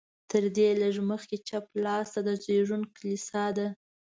تر دې لږ مخکې چپ لاس ته د زېږون کلیسا ده.